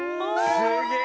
すげえ！